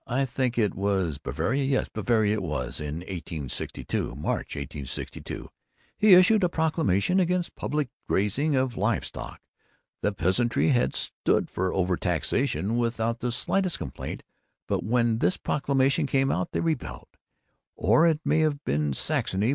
I think it was Bavaria yes, Bavaria, it was in 1862, March, 1862, he issued a proclamation against public grazing of live stock. The peasantry had stood for overtaxation without the slightest complaint, but when this proclamation came out, they rebelled. Or it may have been Saxony.